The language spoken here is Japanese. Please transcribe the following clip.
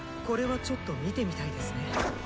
これはちょっと見てみたいですね。